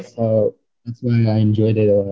jadi ya itu yang menyenangkan